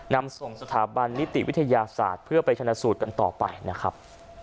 นำส่งสถาบันนิติวิทยาศาสตร์เพื่อไปชนะสูตรกันต่อไปนะครับ